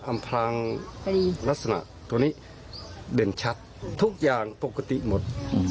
อำพลังลักษณะตัวนี้เด่นชัดทุกอย่างปกติหมด